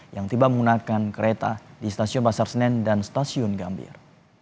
yang tiba menggunakan kereta di stasiun pasar senen dan stasiun gambir